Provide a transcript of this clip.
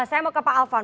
saya mau ke pak alfon